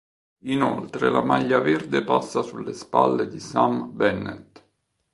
Inoltre la maglia verde passa sulle spalle di Sam Bennett.